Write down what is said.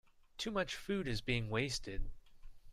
Too much food is being wasted.